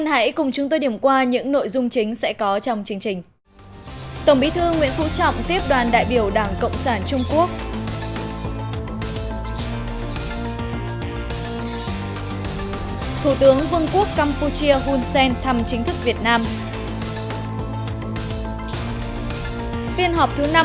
hãy cùng chúng tôi điểm qua những nội dung chính sẽ có trong chương trình